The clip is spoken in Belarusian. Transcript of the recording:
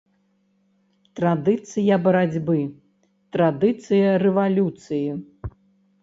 Традыцыя барацьбы, традыцыя рэвалюцыі.